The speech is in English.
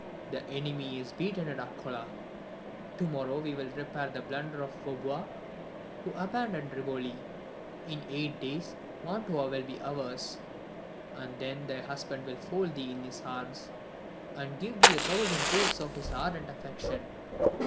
The enemy is beaten at Arcola. To morrow we will repair the blunder of Vaubois, who abandoned Rivoli. In eight days Mantua will be ours, and then thy husband will fold thee in his arms, and give thee a thousand proofs of his ardent affection.